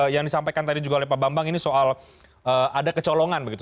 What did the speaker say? yang disampaikan tadi juga oleh pak bambang ini soal ada kecolongan begitu